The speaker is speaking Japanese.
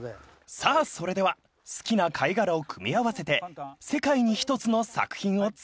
［さあそれでは好きな貝殻を組み合わせて世界に一つの作品を作りましょう］